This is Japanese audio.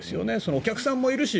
お客さんもいるし